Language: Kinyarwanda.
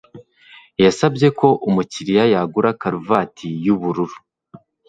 Yasabye ko umukiriya yagura karuvati yubururu